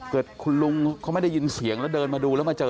เกิดคุณลุงเขาไม่ได้ยินเสียงแล้วเดินมาดูแล้วมาเจอ